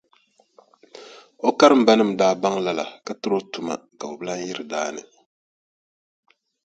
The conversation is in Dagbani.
O karimbanima daa baŋ lala ka tiri o tuma ka o bi lahi yiri daa ni.